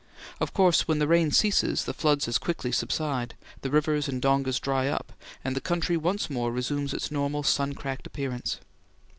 Of course when the rain ceases, the floods as quickly subside, the rivers and dongas dry up, and the country once more resumes its normal sun cracked appearance.